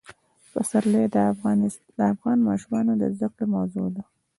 پسرلی د افغان ماشومانو د زده کړې موضوع ده.